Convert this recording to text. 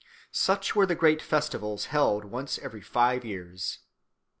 Such were the great festivals held once every five years.